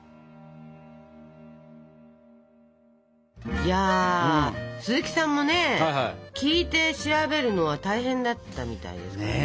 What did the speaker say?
いや鈴木さんもね聞いて調べるのは大変だったみたいですからね。